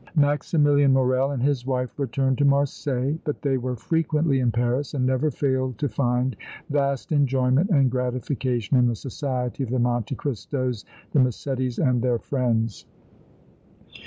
Maximilian Morrel and his wife returned to Marseilles, but they were frequently in Paris and never failed to find vast enjoyment and gratification in the society of the Monte Cristos, the Massettis and their friends.